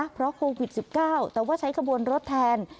เพราะโควิด๑๙แต่ว่าใช้ขบวนรถแทน